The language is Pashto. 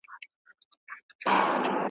د جنګ لور ته یې آس هی کړ نازولی ,